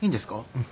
うん。